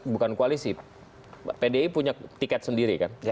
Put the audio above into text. bukan koalisi pdi punya tiket sendiri kan